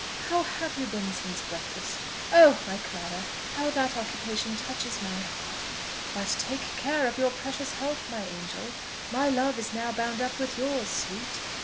how have you been since breakfast? Oh! my Clara! how that occupation touches my heart! But take care of your precious health, my angel! My life is now bound up with yours, sweet!